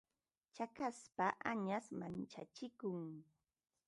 Tsakaypa añash manchachikun.